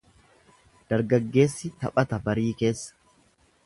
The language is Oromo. Dargaggeessi taphata barii keessa.